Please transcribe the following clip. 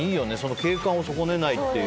景観を損ねないっていう。